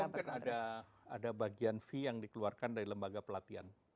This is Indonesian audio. mungkin ada bagian fee yang dikeluarkan dari lembaga pelatihan